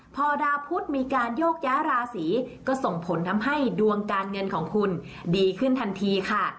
พอดาวพุทธมีการโยกย้ายราศีก็ส่งผลทำให้ดวงการเงินของคุณดีขึ้นทันทีค่ะ